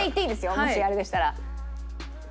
もしあれでしたら。